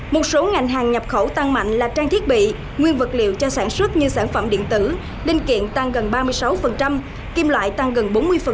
một số ngành hàng nhập khẩu tăng mạnh là trang thiết bị nguyên vật liệu cho sản xuất như sản phẩm điện tử linh kiện tăng gần ba mươi sáu kim loại tăng gần bốn mươi